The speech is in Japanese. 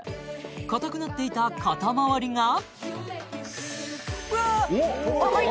硬くなっていた肩周りがわっ！